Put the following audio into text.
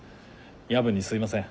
夜分にすいません。